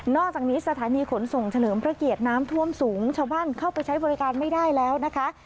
อกจากนี้สถานีขนส่งเฉลิมพระเกียรติน้ำท่วมสูงชาวบ้านเข้าไปใช้บริการไม่ได้แล้วนะคะ